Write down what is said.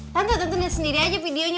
tante tante liat sendiri aja videonya tante